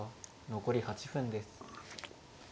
残り８分です。